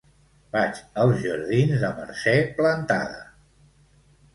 Vaig als jardins de Mercè Plantada.